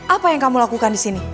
apa yang kamu lakukan di sini